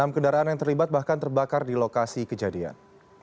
enam kendaraan yang terlibat bahkan terbakar di lokasi kejadian